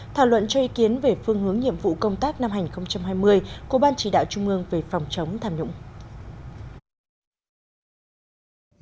thảo luận cho ý kiến về phương hướng nhiệm vụ công tác năm hai nghìn hai mươi của ban chỉ đạo trung ương về phòng chống tham nhũng